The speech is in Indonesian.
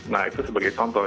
nah itu sebagai contoh